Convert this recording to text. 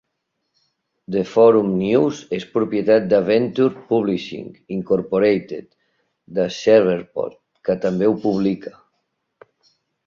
"The Forum News" és propietat de Venture Publishing, Incorporated, de Shreveport, que també ho publica..